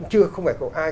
chưa không phải có ai